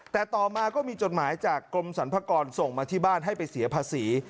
แต่ต่อมาก็มีจดหมายจากกรมสรรพากรส่งมาที่บ้านให้ไปเสียภาษี